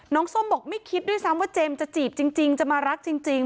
ส้มบอกไม่คิดด้วยซ้ำว่าเจมส์จะจีบจริงจะมารักจริง